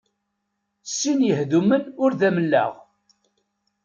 Sin yehdumen ur-d amellaɣ.